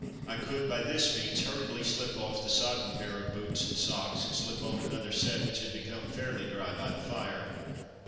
I could, by this means, hurriedly slip off the sodden pair of boots and socks and slip on another set which had become fairly dry by the fire.